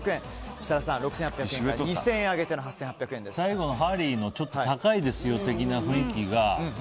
設楽さん、６８００円から２０００円上げての最後のハリーの高いですよ的な雰囲気が。